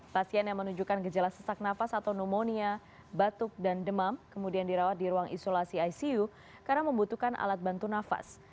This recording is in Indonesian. pasien yang menunjukkan gejala sesak nafas atau pneumonia batuk dan demam kemudian dirawat di ruang isolasi icu karena membutuhkan alat bantu nafas